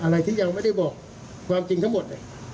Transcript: อะไรที่เราไม่ได้บอกความจริงทั้งหมด